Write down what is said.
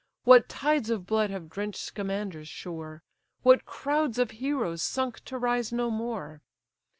What tides of blood have drench'd Scamander's shore! What crowds of heroes sunk to rise no more!